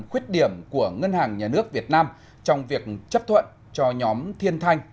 khuyết điểm của ngân hàng nhà nước việt nam trong việc chấp thuận cho nhóm thiên thanh